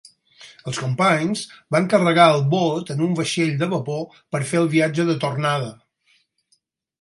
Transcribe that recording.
Els companys van carregar el bot en un vaixell de vapor per fer el viatge de tornada.